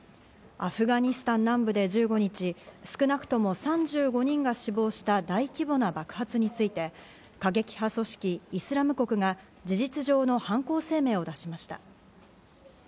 アフガニスタン南部で１５日、少なくとも３５人が死亡した大規模な爆発について、過激派組織イスラム国が事実上の犯行声明を出しました。